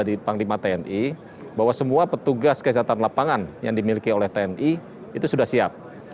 karena kita lihat ada di panglima tni bahwa semua petugas kesehatan lapangan yang dimiliki oleh tni itu sudah siap